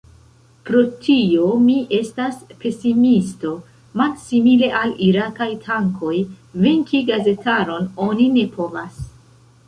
Pro tio mi estas pesimisto: malsimile al irakaj tankoj, venki gazetaron oni ne povas.